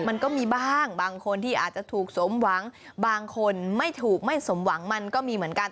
มันก็มีบ้างบางคนที่อาจจะถูกสมหวังบางคนไม่ถูกไม่สมหวังมันก็มีเหมือนกัน